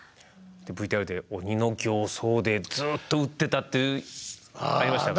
ＶＴＲで鬼の形相でずっと打ってたってありましたが？